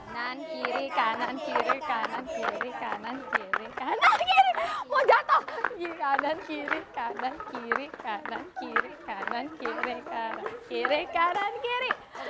kanan kiri kanan kiri kanan kiri kanan kiri kanan kiri kanan kiri kanan kiri kanan kiri